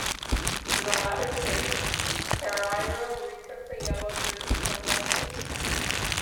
In the latter stage, Pereiro retook the yellow jersey from Landis.